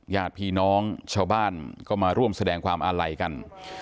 ญาติพี่น้องชาวบ้านก็มาร่วมแสดงความอาลัยกัน